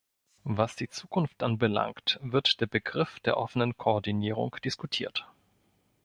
Was die Zukunft anbelangt, wird der Begriff der offenen Koordinierung diskutiert.